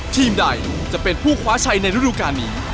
ทีมใดจะเป็นผู้คว้าชัยในฤดูการนี้